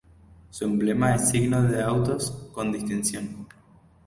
Su emblema es signo de autos con distinción.